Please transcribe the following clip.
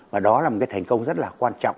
và đó là một cái thành công rất là quan trọng